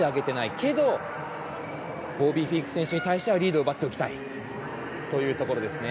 だけど、ボビー・フィンク選手に対してはリードを奪っておきたいところですね。